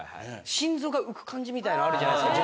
心臓が浮く感じみたいのあるじゃないですか